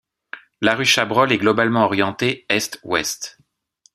La rue Chabrol est globalement orientée est-ouest.